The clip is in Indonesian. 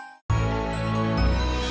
masih jualan sambil pulang